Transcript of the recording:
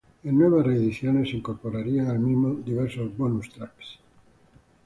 En nuevas reediciones se incorporarían al mismo diversos "bonus tracks".